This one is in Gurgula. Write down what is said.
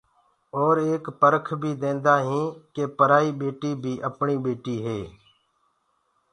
اور اڪسر ايڪ پهاڪو بيٚ ديندآ هينٚ ڪي پرائي ٻيٽي بي اپڻي هي ٻيٽي هي۔